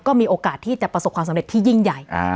ก็มีโอกาสที่จะประสบความสำเร็จที่ยิ่งใหญ่